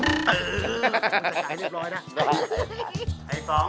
มันจะหายเรียบร้อยนะ